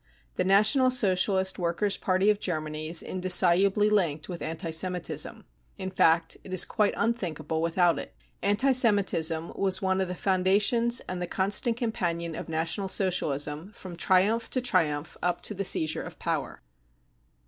The National Socialist Workers 5 Party of Germany is indissolubly linked with anti Semitism ; in fact, it is quite unthinkable without it. Anti Semitism was one of the founda tions and the constant companion of National Socialism from triumph to triumph up to the seizure of power.